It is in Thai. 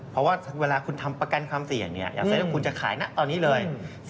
เพราะว่าเวลาคุณทำประกันความเสี่ยงเนี่ยอยากเซ็นว่าคุณจะขายนะตอนนี้เลย